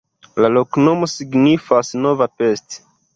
La loknomo signifas: nova Pest.